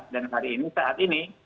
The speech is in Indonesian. dan hari ini saat ini